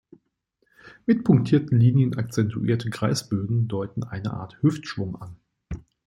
Mit punktierten Linien akzentuierte Kreisbögen deuten eine Art „Hüftschwung“ an.